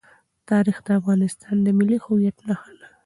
تاریخ د افغانستان د ملي هویت نښه ده.